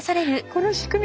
この仕組み